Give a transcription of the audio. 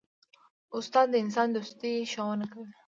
استاد د انسان دوستي ښوونه کوي.